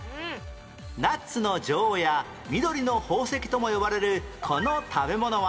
ナッツの女王や緑の宝石とも呼ばれるこの食べ物は？